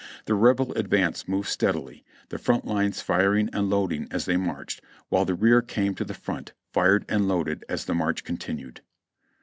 The Rebel advance moved steadily; the front lines firing and loading as they marched, while the rear came to the front, fired and loaded as the march continued."